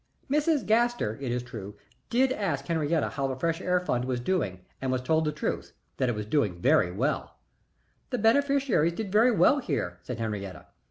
Mrs. Gaster, it is true, did ask Henriette how the Winter Fresh Air Fund was doing and was told the truth that it was doing very well. "The beneficiaries did very well here," said Henriette.